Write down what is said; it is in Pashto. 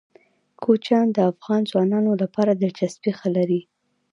کوچیان د افغان ځوانانو لپاره دلچسپي لري.